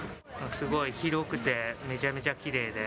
すごい広くて、めちゃめちゃきれいで。